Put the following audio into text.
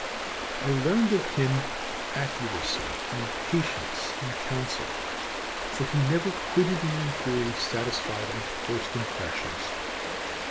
I learned of him accuracy and patience in council, for he never quitted an enquiry satisfied with first impressions.